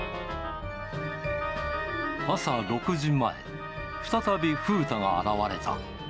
朝６時前、再びふうたが現れた。